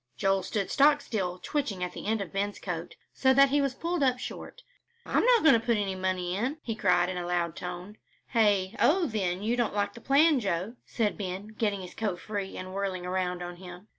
Joel stood stock still twitching the end of Ben's coat, so that he was pulled up short. "I'm not going to put any money in," he cried in a loud tone. "Hey? Oh, then, you don't like the plan, Joe?" said Ben, getting his coat free and whirling around on him.